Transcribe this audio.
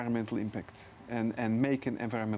dan membuat penyelesaian tindakan lingkungan